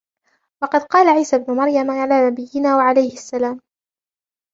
وَقَدْ قَالَ عِيسَى ابْنُ مَرْيَمَ عَلَى نَبِيِّنَا وَعَلَيْهِ السَّلَامُ